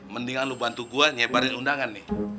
mendingan lu bantu gue nyebarin undangan nih